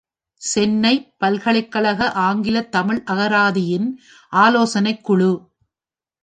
சென்னைப் பல்கலைக்கழக ஆங்கிலத் தமிழ் அகராதியின் ஆலோசனைக் குழு.